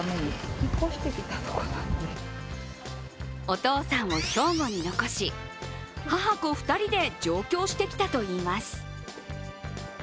お父さんを兵庫に残し、母娘２人で上京してきたといいます。